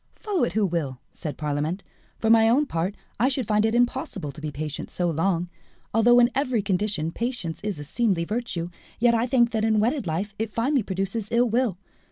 "Follow it who will," said Parlamente; "for my own part, I should find it impossible to be patient so long. Although in every condition patience is a seemly virtue, yet I think that in wedded life it finally produces ill will.